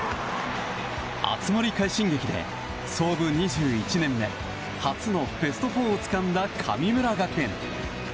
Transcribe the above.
熱盛快進撃で創部２１年目初のベスト４をつかんだ神村学園。